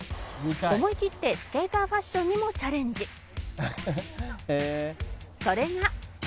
「思いきってスケーターファッションにもチャレンジ」「それが」